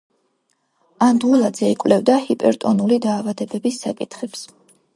ანდღულაძე იკვლევდა ჰიპერტონიული დაავადების საკითხებს.